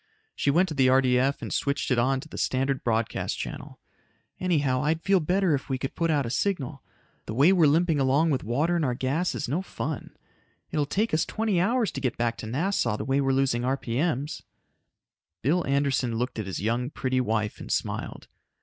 She went to the RDF and switched it on to the standard broadcast channel. "Anyhow, I'd feel better if we could put out a signal. The way we're limping along with water in our gas is no fun. It will take us twenty hours to get back to Nassau the way we're losing RPM'S." Bill Anderson looked at his young, pretty wife and smiled.